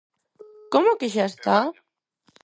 ¿Como que xa está?